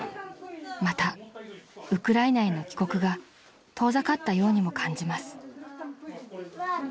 ［またウクライナへの帰国が遠ざかったようにも感じます］